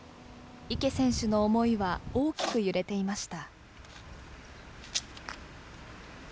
池選手の思いは大きく揺れていました。